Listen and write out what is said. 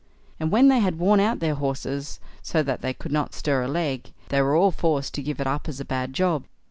And when they had worn out their horses, so that they could not stir a leg, they were all forced to give it up as a bad job.